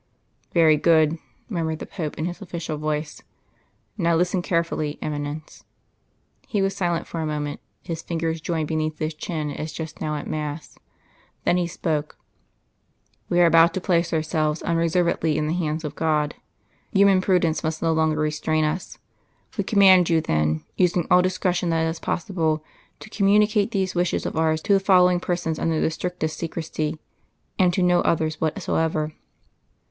'" "Very good," murmured the Pope, in his official voice. "Now listen carefully, Eminence." He was silent for a moment, his fingers joined beneath his chin as just now at mass. Then he spoke. "We are about to place ourselves unreservedly in the hands of God. Human prudence must no longer restrain us. We command you then, using all discretion that is possible, to communicate these wishes of ours to the following persons under the strictest secrecy, and to no others whatsoever.